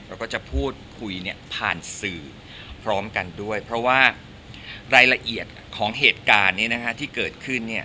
เราก็จะพูดคุยผ่านสื่อพร้อมกันด้วยเพราะว่ารายละเอียดของเหตุการณ์นี้ที่เกิดขึ้น